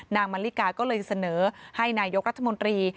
มาลิกาก็เลยเสนอให้นายกรัฐมนตรี